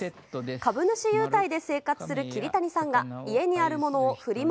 株主優待で生活する桐谷さんが、家にあるものをフリマ